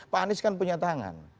pak anies kan punya tangan